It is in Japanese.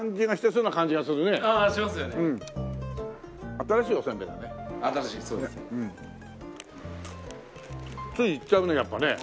ついいっちゃうねやっぱね。